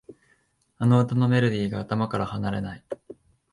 あの歌のメロディーが頭から離れない